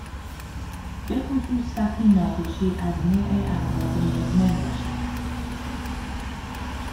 بخصوص وقتی ناخوشی از نوع اَمراض مُزمِن باشه.